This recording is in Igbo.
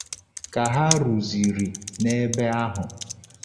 Ka ha ruzịrị n'ebe ahụ